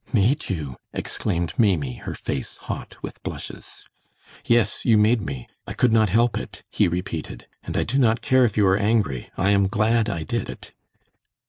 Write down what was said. "Made you?" exclaimed Maimie, her face hot with blushes. "Yes, you made me. I could not help it," he repeated. "And I do not care if you are angry. I am glad I did it."